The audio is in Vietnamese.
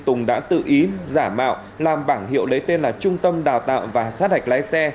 tự ý giả mạo làm bảng hiệu lấy tên là trung tâm đào tạo và sát hạch lái xe